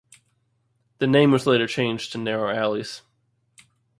This name was later changed to narrow alleys.